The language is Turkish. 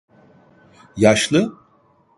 Yaşlı?